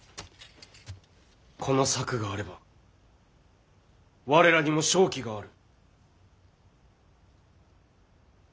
この策があれば我らにも勝機がある。